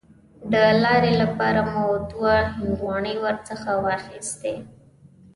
د لارې لپاره مو دوه هندواڼې ورڅخه واخیستې.